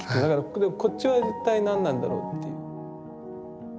こっちは一体何なんだろうっていう。